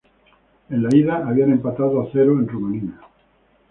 En la ida habían empatado a cero en Rumanía.